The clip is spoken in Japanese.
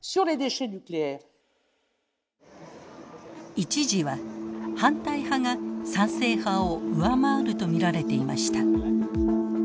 一時は反対派が賛成派を上回ると見られていました。